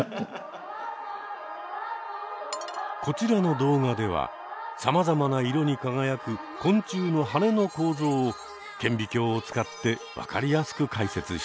こちらの動画ではさまざまな色に輝く昆虫の羽の構造を顕微鏡を使って分かりやすく解説している。